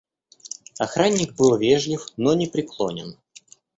Охранник был вежлив, но непреклонен.